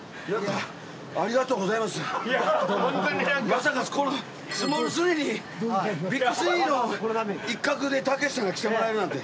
まさかこの『スモール３！』にＢＩＧ３の一角でたけしさんが来てもらえるなんて。